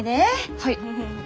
はい。